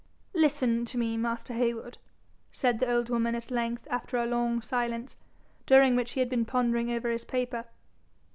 'Listen to me, Master Heywood,' said the old woman at length after a long, silence, during which he had been pondering over his paper.